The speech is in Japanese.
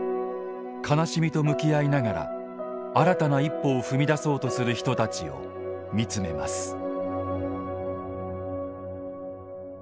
悲しみと向き合いながら新たな一歩を踏み出そうとする人たちを見つめます。